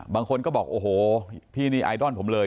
บางคนก็บอกโอ้โหพี่นี่ไอดอลผมเลย